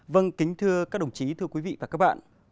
vâng kính thưa các đồng chí thưa quý vị và các bạn